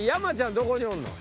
どこにおんの？